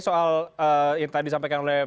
soal yang tadi disampaikan oleh